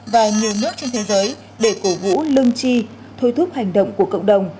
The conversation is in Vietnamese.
và nhiều nước trên thế giới để cổ vũ lưng chi thôi thúc hành động của cộng đồng